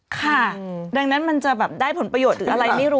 ค่ะดังนั้นมันจะแบบได้ผลประโยชน์หรืออะไรไม่รู้